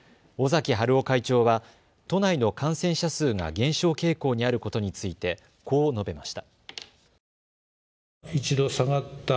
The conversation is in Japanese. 尾崎治夫会長は都内の感染者数が減少傾向にあることについてこう述べました。